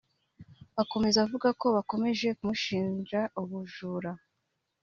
Akomeza avuga ko bakomeje kumushinja ubujura